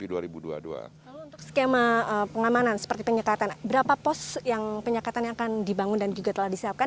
lalu untuk skema pengamanan seperti penyekatan berapa pos yang penyekatan yang akan dibangun dan juga telah disiapkan